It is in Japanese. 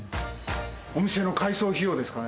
お店の改装費用ですかね。